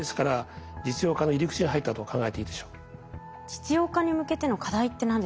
実用化に向けての課題って何ですか？